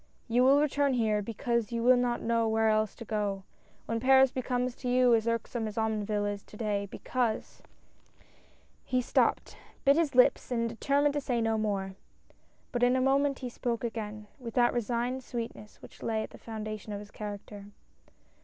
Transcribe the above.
You will return here because you will not know where else to go, when Paris becomes to you as u'ksome as Omonville is to day, because " He stopped, bit his lips, and determined to say no more. But in a moment he spoke again, with that resigned sweetness which lay at the foundation of his character.